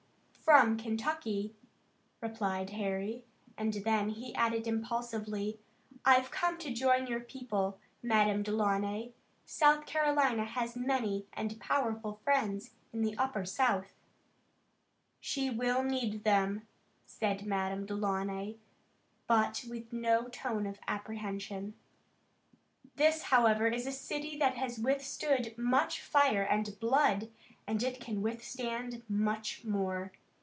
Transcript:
"From Kentucky," replied Harry, and then he added impulsively: "I've come to join your people, Madame Delaunay. South Carolina has many and powerful friends in the Upper South." "She will need them," said Madame Delaunay, but with no tone of apprehension. "This, however, is a city that has withstood much fire and blood and it can withstand much more.